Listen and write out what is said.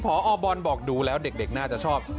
พอบอลบอกดูแล้วเด็กน่าจะชอบ